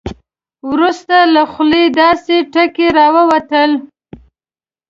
وروسته له خولې داسې ټکي راووتل.